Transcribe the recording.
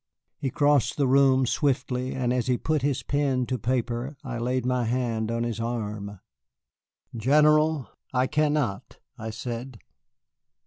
I crossed the room swiftly, and as he put his pen to paper I laid my hand on his arm. "General, I cannot," I said.